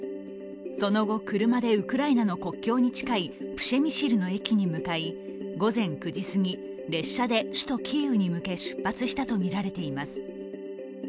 その後、車でウクライナの国境に近いプシェミシルの駅に向かい午前９時すぎ、列車でキーウに向け出発したとみられています。